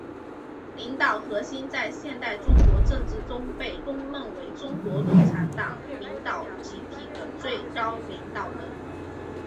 领导核心在现代中国政治中是指被公认为中国共产党领导集体的最高领导人。